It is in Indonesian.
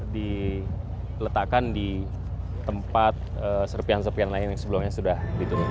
diletakkan di tempat serpihan serpihan lain yang sebelumnya sedang di tempat ini